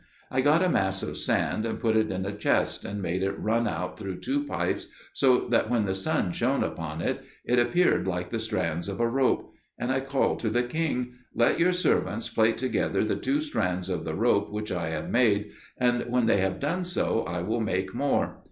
I got a mass of sand and put it in a chest, and made it run out through two pipes so that when the sun shone upon it, it appeared like the strands of a rope; and I called to the king, "Let your servants plait together the two strands of the rope which I have made, and when they have done so I will make more."